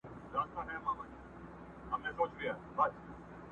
نور د سپي امتیاز نه سمه منلای،